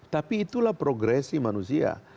tapi itulah progresi manusia